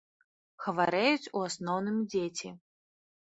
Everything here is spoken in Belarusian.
Хварэюць у асноўным дзеці.